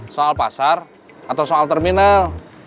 soal pasar atau soal terminal